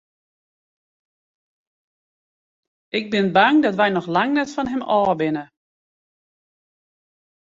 Ik bin bang dat wy noch lang net fan him ôf binne.